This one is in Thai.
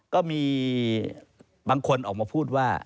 ก็มีบางคนออกมาพูดว่า